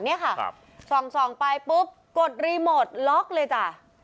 เนี่ยค่ะส่องไปปุ๊บกดรีโมทล็อกเลยจ้ะ